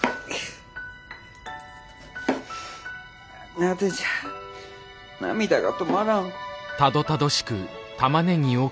なぜじゃ涙が止まらん。